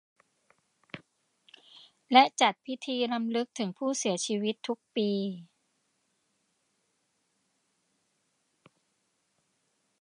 และจัดพิธีรำลึกถึงผู้เสียชีวิตทุกปี